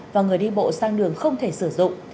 và người đi bộ sang đường không thể sử dụng